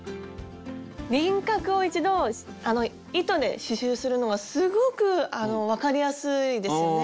輪郭を１度あの糸で刺しゅうするのはすごく分かりやすいですよね。